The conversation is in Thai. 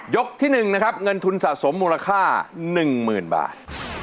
ที่๑นะครับเงินทุนสะสมมูลค่า๑๐๐๐บาท